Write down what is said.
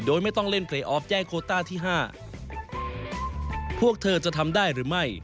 โดยไม่ต้องเล่นเพลย์ออฟแจ้งโคต้าที่ห้าพวกเธอจะทำได้หรือไม่